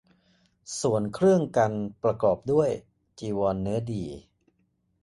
ส่วนเครื่องกัณฑ์ประกอบด้วย จีวรเนื้อดี